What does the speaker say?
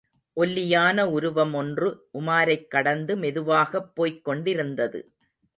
ஒல்லியான உருவமொன்று உமாரைக் கடந்து, மெதுவாகப் போய்க் கொண்டிருந்தது.